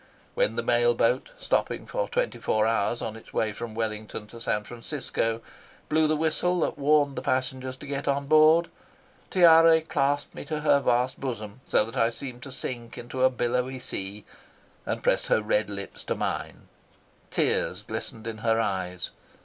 When the mail boat, stopping for twenty four hours on its way from Wellington to San Francisco, blew the whistle that warned the passengers to get on board, Tiare clasped me to her vast bosom, so that I seemed to sink into a billowy sea, and pressed her red lips to mine. Tears glistened in her eyes.